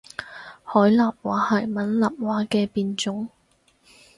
海南話係閩南話嘅變種